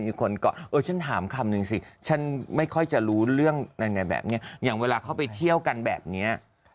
คือคนก่อนเออฉันถามคำนึงสิฉันไม่ค่อยจะรู้เรื่องแบบนี้อย่างเวลาเขาไปเที่ยวกันแบบนี้